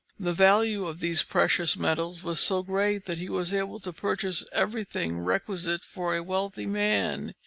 The value of these precious metals was so great that he was able to purchase everything requisite for a wealthy man.